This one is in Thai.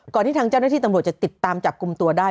ที่ทางเจ้าหน้าที่ตำรวจจะติดตามจับกลุ่มตัวได้